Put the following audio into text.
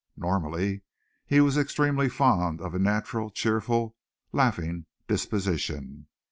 Normally he was extremely fond of a natural, cheerful, laughing disposition.